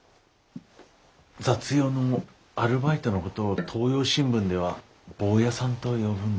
雑用のアルバイトのことを東洋新聞ではボーヤさんと呼ぶんです。